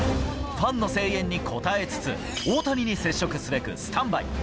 ファンの声援に応えつつ、大谷に接触すべくスタンバイ。